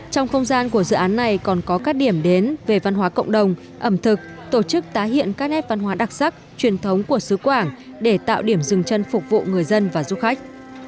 trong không gian của dự án này còn có các điểm đến về văn hóa cộng đồng ẩm thực tổ chức tái hiện các nét văn hóa đặc sắc truyền thống của xứ quảng để tạo điểm dừng chân phục vụ người dân và du khách